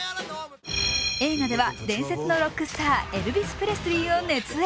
映画では伝説のロックスターエルヴィス・プレスリーを熱演。